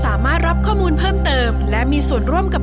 สวัสดีปีใหม่ครับ